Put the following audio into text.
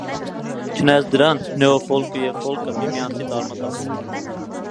Չնայած դրան, նեոֆոլկը և ֆոլկը միմյանցից արմատապես տարբեր են։